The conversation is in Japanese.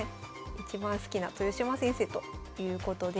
いちばん好きな豊島先生ということです。